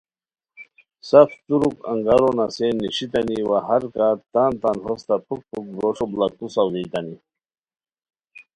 سف ترک انگارو نسین نیشیتانی وا ہر کا تان تان ہوستہ پُھک پُھک گوݰو بڑاکو ساؤزیتانی